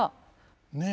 ねえ。